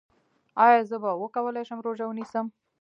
ایا زه به وکولی شم روژه ونیسم؟